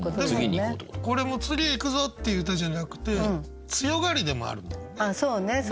でもこれも次いくぞっていう歌じゃなくて強がりでもあるんだもんね。